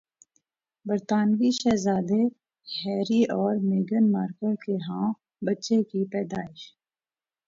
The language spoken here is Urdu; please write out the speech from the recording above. برطانوی شہزادے ہیری اور میگھن مارکل کے ہاں بچے کی پیدائش